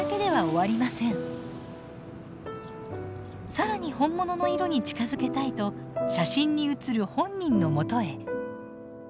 更に本物の色に近づけたいと写真に写る本人のもとへ。